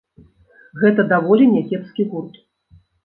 Гэта даволі някепскі гурт.